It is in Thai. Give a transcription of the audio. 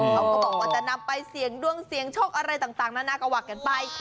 เขาก็บอกว่าจะนำไปเสี่ยงดวงเสี่ยงโชคอะไรต่างนานาก็ว่ากันไป